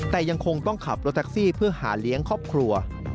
แต่ยังคงต้องขับรถแท็กซี่เพื่อหาเลี้ยงครอบครัว